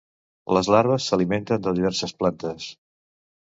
Les larves s'alimenten de diverses plantes.